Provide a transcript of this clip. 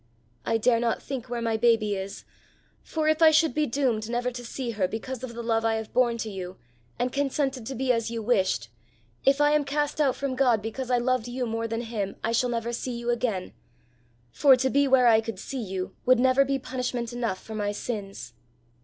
I dare not think where my baby is, for if I should be doomed never to see her because of the love I have borne to you and consented to be as you wished if I am cast out from God because I loved you more than him I shall never see you again for to be where I could see you would never be punishment enough for my sins."